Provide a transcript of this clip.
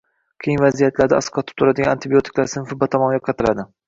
qiyin vaziyatlarda asqotib turgan antibiotiklar sinfi batamom yo‘qotiladi